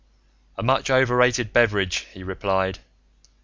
"A much overrated beverage," he replied.